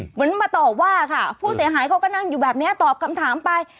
เหมือนมาตอบว่าค่ะผู้เสียหายเขาก็นั่งอยู่แบบนี้ตอบคำถามไป